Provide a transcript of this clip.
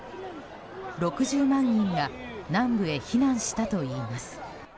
６０万人が南部へ避難したといいます。